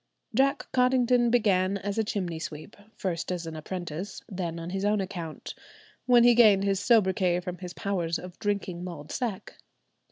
Jack Cottington began as a chimney sweep, first as an apprentice, then on his own account, when he gained his soubriquet from his powers of drinking mulled sack.